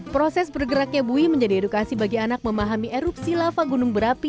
proses bergeraknya bui menjadi edukasi bagi anak memahami erupsi lava gunung berapi